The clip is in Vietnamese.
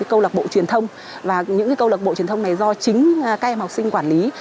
câu lạc bộ truyền thông và những câu lạc bộ truyền thông này do chính các em học sinh quản lý